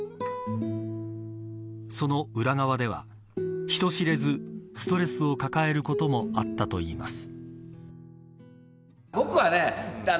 その裏側では人知れずストレスを抱えることもあったといいます。